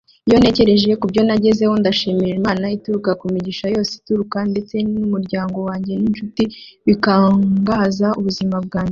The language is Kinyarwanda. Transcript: iyo ntekereje ku byo nagezeho, ndashimira imana ituruka ku migisha yose ituruka, ndetse n'umuryango wanjye n'inshuti bikungahaza ubuzima bwanjye